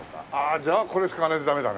じゃあこれ使わないとダメだね。